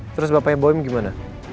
terus bapaknya boim gimana